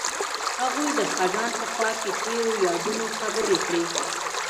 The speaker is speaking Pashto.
هغوی د خزان په خوا کې تیرو یادونو خبرې کړې.